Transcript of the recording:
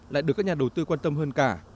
lại được các nhà đầu tư quan tâm hơn cả